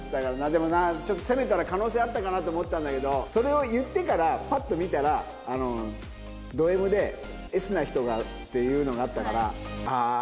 でもなちょっと攻めたら可能性あったかな？って思ったんだけどそれを言ってからパッと見たら「ドＭでＳな人が」っていうのがあったからああ